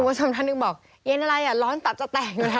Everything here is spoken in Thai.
คุณผู้ชมทั้งหนึ่งบอกเย็นอะไรร้อนตักจะแตกตอนนี้